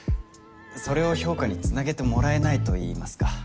それを評価につなげてもらえないといいますか。